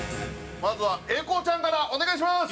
まずは英孝ちゃんからお願いします！